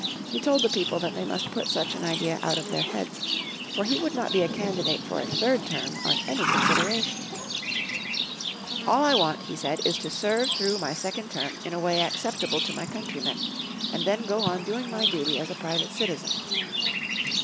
He told the people that they must put such an idea out of their heads, for he would not be a candidate for a third term on any consideration. "All I want," he said, "is to serve through my second term in a way acceptable to my countrymen, and then go on doing my duty as a private citizen."